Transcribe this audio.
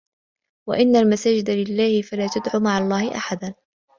وَأَنَّ المَساجِدَ لِلَّهِ فَلا تَدعوا مَعَ اللَّهِ أَحَدًا